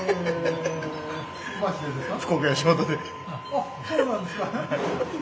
あっそうなんですか！